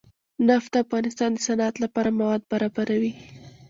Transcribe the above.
نفت د افغانستان د صنعت لپاره مواد برابروي.